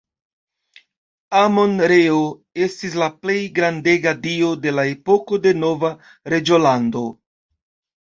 Amon-Reo estis la plej grandega dio de la epoko de Nova Reĝolando.